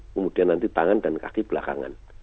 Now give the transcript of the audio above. kemudian nanti tangan dan kaki belakangan